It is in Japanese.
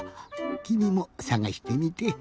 きみもさがしてみて。